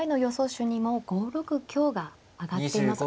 手にも５六香が挙がっています。